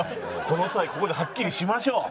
この際ここではっきりしましょう。